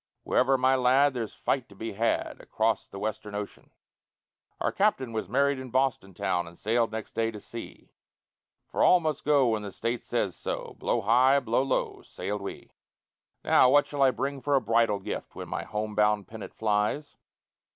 Wherever, my lad, there's fight to be had Acrost the Western ocean. Our captain was married in Boston town And sailed next day to sea; For all must go when the State says so; Blow high, blow low, sailed we. "Now, what shall I bring for a bridal gift When my home bound pennant flies?